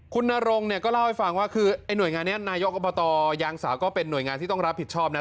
คุณนรงเนี่ยก็เล่าให้ฟังว่าคือไอ้หน่วยงานนี้นายกอบตยางสาวก็เป็นหน่วยงานที่ต้องรับผิดชอบนะ